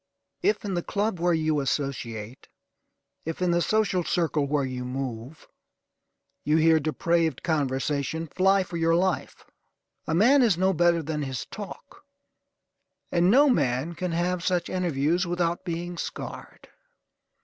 If in the club where you associate; if in the social circle where you move, you hear depraved conversation, fly for your life! A man is no better than his talk; and no man can have such interviews without being scarred.